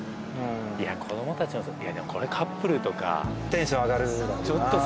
子どもたちいやでもこれカップルとかテンション上がるだろうな